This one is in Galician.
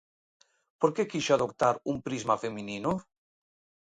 Por que quixo adoptar un prisma feminino?